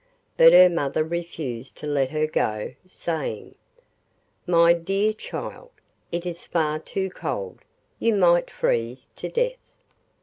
But her mother refused to let her go, saying: 'My dear child, it is far too cold; you might freeze to death.